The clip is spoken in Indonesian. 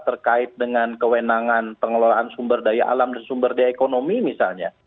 terkait dengan kewenangan pengelolaan sumber daya alam dan sumber daya ekonomi misalnya